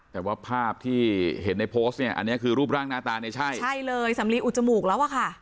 แต่ว่าภาพที่เห็นในโพสต์เนี่ยอันนี้คือรูปร่างหน้าตาเนี่ยใช่ใช่เลยสำลีอุดจมูกแล้วอะค่ะ